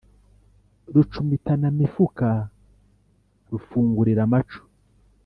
rucumitanamifuka rufungulira amaco,